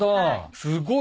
すごい。